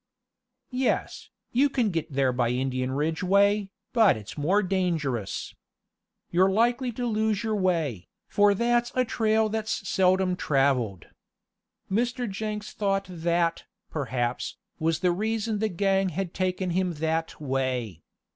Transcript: "Yes, you can git there by Indian Ridge way, but it's more dangerous. You're likely to lose your way, for that's a trail that's seldom traveled." Mr. Jenks thought that, perhaps, was the reason the gang had taken him that way.